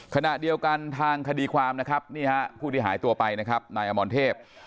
ขณะเดียวกันทางคดีความนะครับนี่ฮะผู้ที่หายตัวไปนะครับนายอมรเทพ